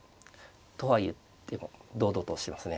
とはいっても堂々としてますね。